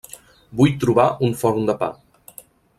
Vull trobar un forn de pa.